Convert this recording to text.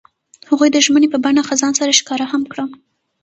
هغوی د ژمنې په بڼه خزان سره ښکاره هم کړه.